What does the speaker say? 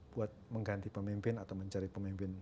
buat mengganti pemimpin atau mencari pemimpin